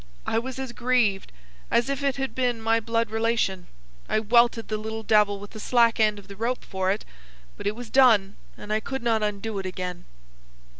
I was as grieved as if it had been my blood relation. I welted the little devil with the slack end of the rope for it, but it was done, and I could not undo it again."